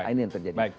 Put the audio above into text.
ini yang terjadi